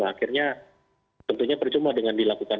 akhirnya tentunya percuma dengan dilakukan